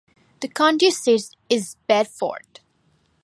The county seat is Bedford.